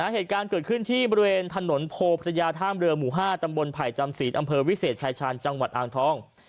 เหตุการณ์เกิดขึ้นที่บริเวณถนนโพพระยาท่ามเรือหมู่๕ตำบลไผ่จำศีลอำเภอวิเศษชายชาญจังหวัดอ่างทอง